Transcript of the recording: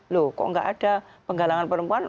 loh kok nggak ada penggalangan perempuan